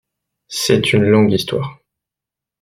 C'est une longue histoire...